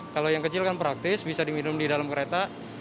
kalau yang kecil kan praktis bisa diminum di dalam kereta